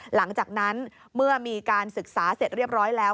หลังจากนั้นเมื่อมีการศึกษาเสร็จเรียบร้อยแล้ว